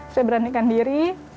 saya beranikan diri